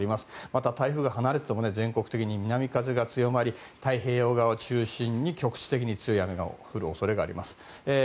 また、台風から離れていても全国的に南風が強まり太平洋側を中心に局地的に強い雨が降る恐れがあります。